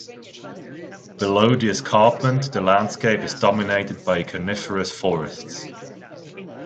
Below the escarpment the landscape is dominated by coniferous forests.